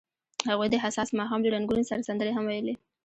هغوی د حساس ماښام له رنګونو سره سندرې هم ویلې.